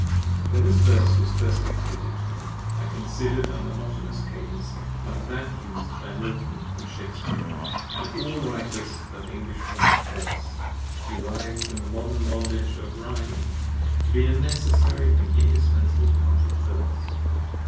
. When this Verse was first dictated to me I consider'd a Monotonous Cadence like that used by Milton & Shakspeare & all writers of English Blank Verse, derived from the modern bondage of Rhyming, to be a necessary and 35 indispensable part of Verse.